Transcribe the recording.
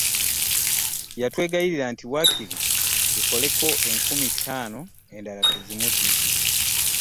Yatwegayirira nti waakiri tutooleko enkumi ttaano endala tuzimuddize.